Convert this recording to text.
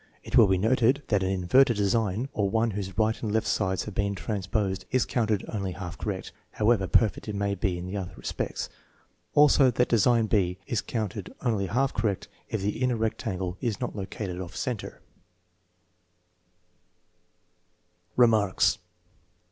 It will be noted that an inverted design, or one whose right and left sides have been trans posed, is counted only half correct, however perfect it may be in other respects; also that design b is counted only half correct if the inner rectangle is not located off center. Remarks.